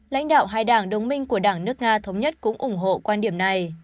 lãnh đạo hai đảng đồng minh của đảng nước nga thống nhất cũng ủng hộ quan điểm này